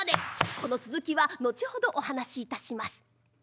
この続きは後ほどお話いたします。